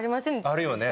あるよね